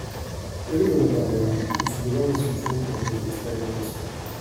Et le volontariat ? Nous sommes déjà en discussion pour des expérimentations.